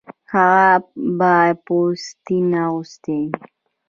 هغه به پوستین اغوستې وې